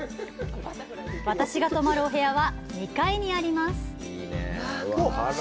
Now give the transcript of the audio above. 私が泊まるお部屋は２階にあります。